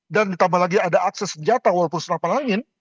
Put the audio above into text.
dan ditambah lagi ada akses senjata walaupun senapan angin